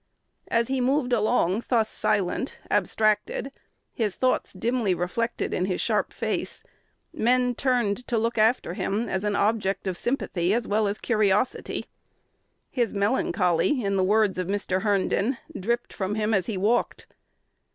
As he moved along thus silent, abstracted, his thoughts dimly reflected in his sharp face, men turned to look after him as an object of sympathy as well as curiosity: "his melancholy," in the words of Mr. Herndon, "dripped from him as he walked."